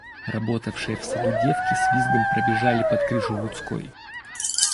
Работавшие в саду девки с визгом пробежали под крышу людской.